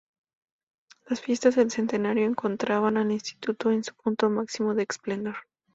Las fiestas del centenario encontraban al Instituto en su punto máximo de esplendor.